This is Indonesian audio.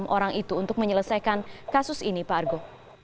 satu ratus enam puluh enam orang itu untuk menyelesaikan kasus ini pak argo